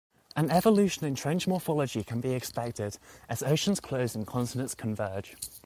An evolution in trench morphology can be expected, as oceans close and continents converge.